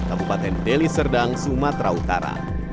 kabupaten deli serdang sumatera utara